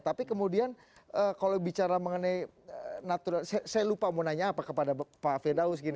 tapi kemudian kalau bicara mengenai naturalisasi saya lupa mau nanya apa kepada pak firaus